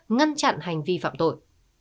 ngăn chặn hành vi phạm tội